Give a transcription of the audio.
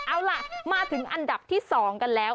เอาล่ะมาถึงอันดับที่๒กันแล้ว